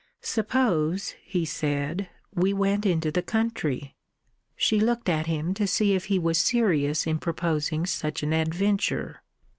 "Suppose," he said, "we went into the country?" She looked at him to see if he was serious in proposing such an adventure.